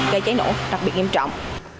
gây cháy nổ đặc biệt nghiêm trọng